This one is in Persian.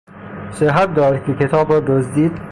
صحت دارد که کتاب را دزدید.